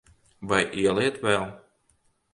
Vai ieliet vēl?